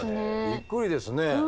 びっくりですね。